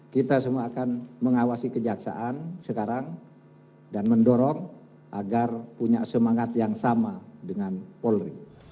kita semua akan mengawasi kejaksaan sekarang dan mendorong agar punya semangat yang sama dengan polri